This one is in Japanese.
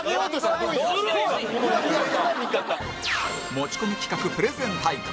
持ち込み企画プレゼン大会